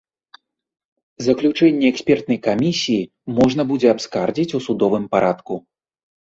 Заключэнне экспертнай камісіі можна будзе абскардзіць у судовым парадку.